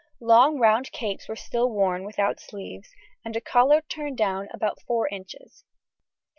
] Long round capes were still worn, without sleeves, and a collar turned down about 4 inches.